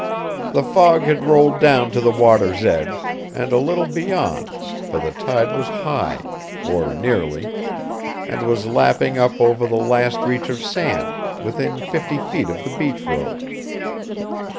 The fog had rolled down to the water's edge, and a little beyond, for the tide was high, or nearly, and was lapping up over the last reach of sand, within fifty feet of the beach road.